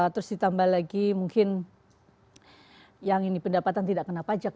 terus ditambah lagi mungkin yang ini pendapatan tidak kena pajak